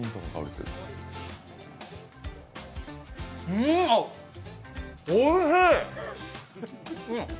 うん、おいしい！